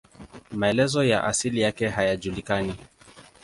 Maelezo ya asili yake hayajulikani.